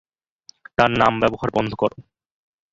তাঁর নাম ব্যবহার বন্ধ করো!